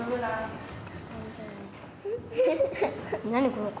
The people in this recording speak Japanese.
この子。